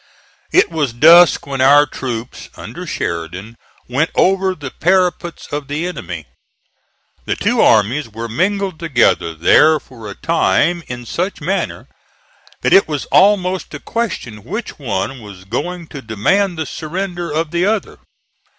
It was dusk when our troops under Sheridan went over the parapets of the enemy. The two armies were mingled together there for a time in such manner that it was almost a question which one was going to demand the surrender of the other.